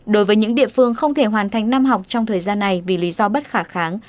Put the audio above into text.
đối với những địa phương không thể hoàn thành năm học trong thời gian này vì lý do bất khả kháng